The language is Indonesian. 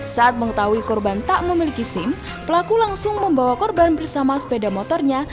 saat mengetahui korban tak memiliki sim pelaku langsung membawa korban bersama sepeda motornya